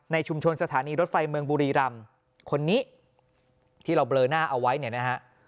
ชุมชนสถานีรถไฟเมืองบุรีรำคนนี้ที่เราเบลอหน้าเอาไว้เนี่ยนะฮะ